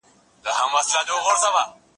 چي ناحقه کيږي مړي